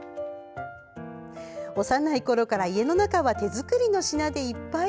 幼いころから、家の中は手作りの品でいっぱい！